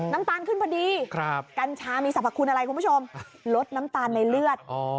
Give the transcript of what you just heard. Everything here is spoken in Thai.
น้ำตาลขึ้นพอดีกัญชามีสรรพคุณอะไรคุณผู้ชมลดน้ำตาลในเลือด